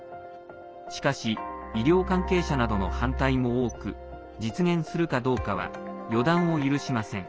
しかし医療関係者などの反対も多く実現するかどうかは予断を許しません。